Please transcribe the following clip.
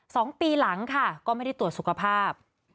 สองปีหลังค่ะก็ไม่ได้ตรวจสุขภาพ